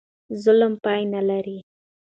ظلم پای نه لري.